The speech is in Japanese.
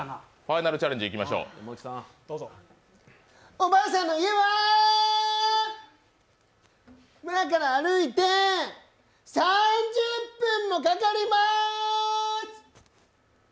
おばあさんの家は村から歩いて、３０分もかかりまーす！